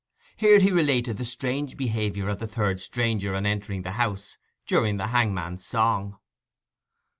Here he related the strange behaviour of the third stranger on entering the house during the hangman's song.